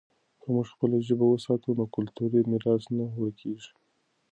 که موږ خپله ژبه وساتو، نو کلتوري میراث نه ورکېږي.